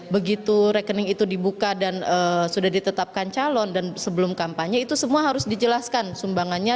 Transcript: begitu rekening itu dibuka dan sudah ditetapkan calon dan sebelum kampanye itu semua harus dijelaskan sumbangannya